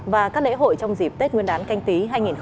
và các lễ hội trong dịp tết nguyên đán canh tí hai nghìn hai mươi